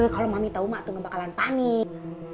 kalau mami tau mak tuh gak bakalan panik